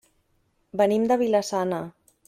Venim de Vila-sana.